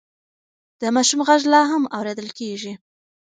د ماشوم غږ لا هم اورېدل کېږي.